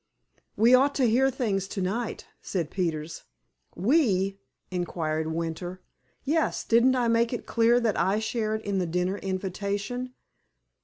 "We ought to hear things to night," said Peters. "We?" inquired Winter. "Yes. Didn't I make it clear that I shared in the dinner invitation?"